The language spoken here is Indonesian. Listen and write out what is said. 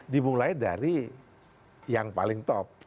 dimulai dari yang paling top